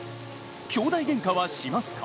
兄弟げんかはしますか？